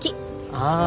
ああ。